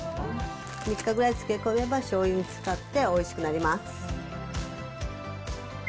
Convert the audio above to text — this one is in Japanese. ３日くらい漬け込めば、しょうゆに浸かっておいしくなります。